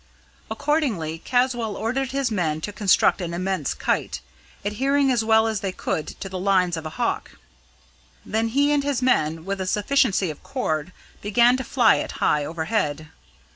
Accordingly Caswall ordered his men to construct an immense kite, adhering as well as they could to the lines of a hawk. Then he and his men, with a sufficiency of cord, began to fly it high overhead.